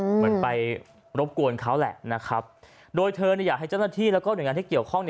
เหมือนไปรบกวนเขาแหละนะครับโดยเธออยากให้เจ้าหน้าที่แล้วก็หน่วยงานที่เกี่ยวข้อง